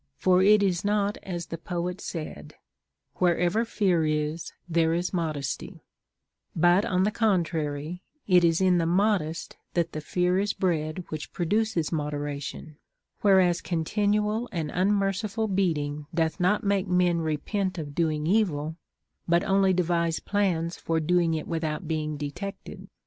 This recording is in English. For it is not as the poet said, — Wherever fear is, there is modesty ; but, on the contrary, it is in the modest that that fear is bred which produces moderation, Avhereas continual and unmerci ful beating doth not make men repent of doing evil, but only devise plans for doing it without being detected.